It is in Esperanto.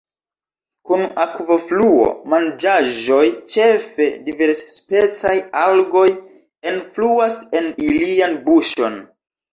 Kun akvofluo manĝaĵoj, ĉefe diversspecaj algoj, enfluas en ilian buŝon.